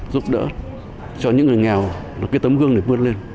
giúp đỡ cho những người nghèo và cái tấm gương để vươn lên